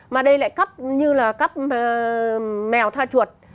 mà đây lại cấp như là cấp mèo tha chuột